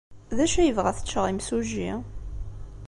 D acu ay yebɣa ad t-ččeɣ yimsujji?